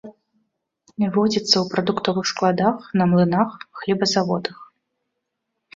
Водзіцца ў прадуктовых складах, на млынах, хлебазаводах.